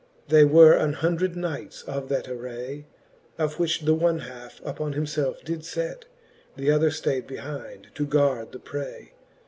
They were an hundred knights of that array \ Of which th'one halfe upon himfelfe did fet, Th'other ftayd behind to gard the pray.